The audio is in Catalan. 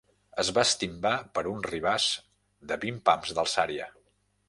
Es va estimbar per un ribàs de vint pams d'alçària.